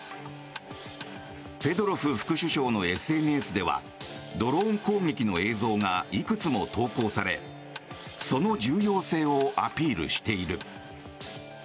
フェドロフ副首相のＳＮＳではドローン攻撃の映像がいくつも投稿されその重要性をアピールしている。